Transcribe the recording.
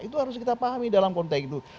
itu harus kita pahami dalam konteks itu